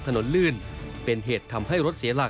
ลื่นเป็นเหตุทำให้รถเสียหลัก